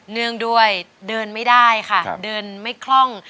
เนื่องด้วยเดินไม่ได้ค่ะเดินไม่คล่อง